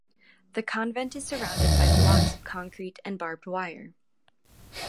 The convent is surrounded by blocks of concrete and barbed wire.